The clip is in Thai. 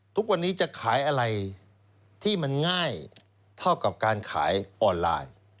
ทุกวันนี้จะขายอะไรที่มันง่ายเท่ากับการขายออนไลน์